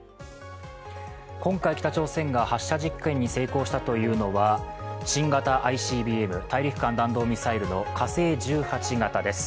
今回北朝鮮が発射実験に成功したというのは新型ＩＣＢＭ＝大陸間弾道ミサイルの火星１８型です。